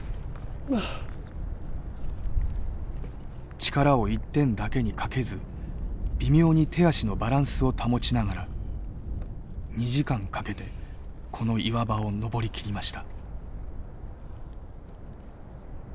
力を一点だけにかけず微妙に手足のバランスを保ちながら２時間かけてこの岩場を登り切りました。